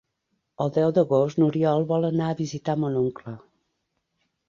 El deu d'agost n'Oriol vol anar a visitar mon oncle.